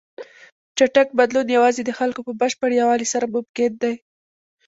چټک بدلون یوازې د خلکو په بشپړ یووالي سره ممکن دی.